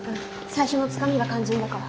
最初のつかみが肝心だから。